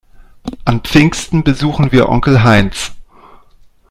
An Pfingsten besuchen wir Onkel Heinz.